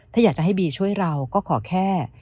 ถ้าอยากจะให้บีช่วยเราก็ขอแค่